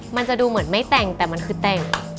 มันจะดูเหมือนไม่แต่งแต่มันคือแต่ง